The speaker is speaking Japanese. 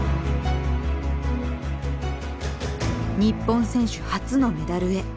日本選手初のメダルへ。